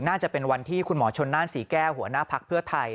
น่าจะเป็นวันที่คุณหมอชนน่านศรีแก้วหัวหน้าภักดิ์เพื่อไทย